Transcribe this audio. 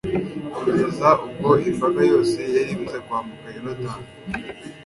kugeza ubwo imbaga yose yari imaze kwambuka yorudani